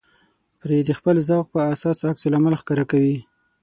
پرې د خپل ذوق په اساس عکس العمل ښکاره کوي.